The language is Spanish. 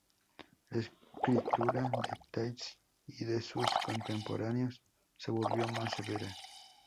La escritura de Tallis y de sus contemporáneos se volvió más severa.